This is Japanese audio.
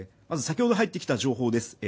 まず先ほど入ってきた情報です。